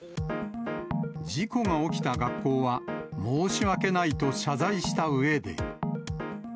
事故が起きた学校は、申し訳ないと謝罪したうえで。